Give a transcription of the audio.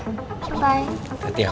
kamu aku pamit dulu ya